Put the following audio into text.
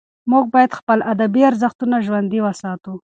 موږ باید خپل ادبي ارزښتونه ژوندي وساتو.